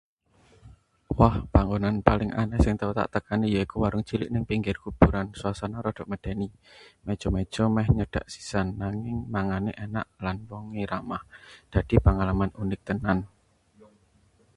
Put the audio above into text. Wah, panggonan paling aneh sing tau tak tekani yaiku warung cilik neng pinggir kuburan. Suasana rada medeni, meja-meja meh nyedhak nisan, nanging manganané enak lan wong-wongé ramah — dadi pengalaman unik tenan.